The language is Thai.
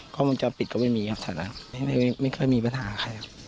กล้องมันจอดปิดก็ไม่มีครับฉะนั้นไม่เคยมีปัญหาใครครับ